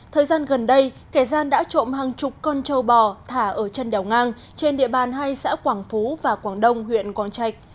thời gian gần đây kẻ gian đã trộm hàng chục con trâu bò thả ở chân đèo ngang trên địa bàn hai xã quảng phú và quảng đông huyện quảng trạch